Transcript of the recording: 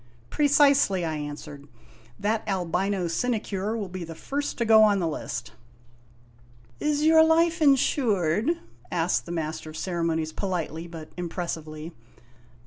"" Precisely," I answered. "That albino sinecure will be the first to go on the list." " Is your life insured ?" asked the Master of Ceremonies politely but impressively.